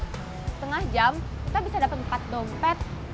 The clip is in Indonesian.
setengah jam kita bisa dapat empat dompet